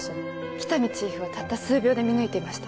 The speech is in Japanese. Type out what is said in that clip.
喜多見チーフはたった数秒で見抜いていました